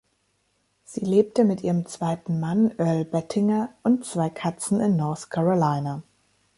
Sie lebte mit ihrem zweiten Mann Earl Bettinger und zwei Katzen in North Carolina.